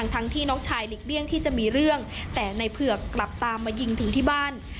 ทั้งที่น้องชายหลีกเลี่ยงที่จะมีเรื่องแต่ในเผือกกลับตามมายิงถึงที่บ้าน